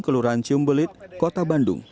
kelurahan ciumbelit kota bandung